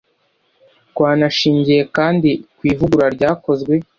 Twanashingiye kandi ku ivugurura ryakozwe